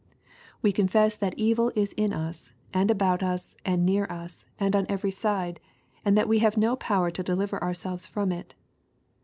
We confess that evil is in us, and about us, and near us, and on every side, and that we have no power to deliver ourselves from it.